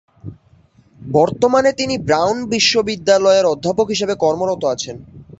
বর্তমানে তিনি ব্রাউন বিশ্ববিদ্যালয়ের অধ্যাপক হিসেবে কর্মরত আছেন।